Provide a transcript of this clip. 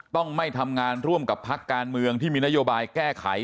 ต้องไม่ทำงานร่วมกับพักการเมืองที่มีนโยบายแก้ไข